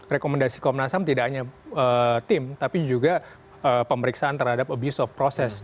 rekomendasi komnas ham tidak hanya tim tapi juga pemeriksaan terhadap abuse of process